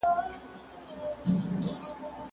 پښتو به په راتلونکي کې په اسانۍ وپېژندل شي.